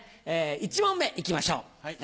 １問目行きましょう。